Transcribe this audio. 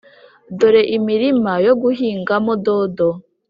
dore imirima yo guhingamo dodo